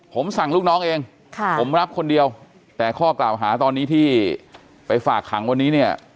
ผมสั่งลูกน้องเองผมรับคนเดียวแต่ข้อกล่าวหาตอนนี้ที่ไปฝากขังวันนี้เนี่ย